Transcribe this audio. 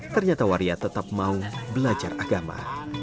ternyata waria tetap mau belajar agama